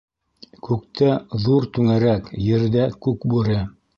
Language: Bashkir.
Күктә - ҙур түңәрәк, Ерҙә - Күкбүре.